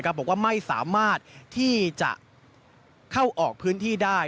บอกว่าไม่สามารถที่จะเข้าออกพื้นที่ได้